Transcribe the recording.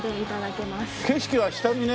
景色は下にね